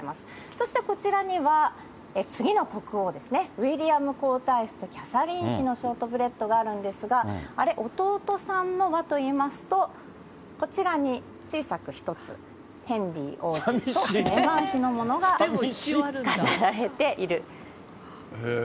そしてこちらには、次の国王ですね、ウィリアム皇太子とキャサリン妃のショートブレッドがあるんですが、あれ、弟さんのは？といいますと、こちらに、小さく一つ、ヘンリー王子とメーガン妃のものが飾られている。